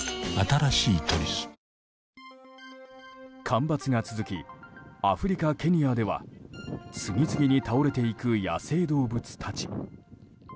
干ばつが続きアフリカ・ケニアでは次々に倒れていく野生動物たち。